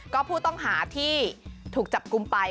ก็ผู้ต้องหาที่ถูกจับกลุ่มไป